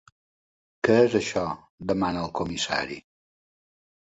Què és això? —demana el comissari.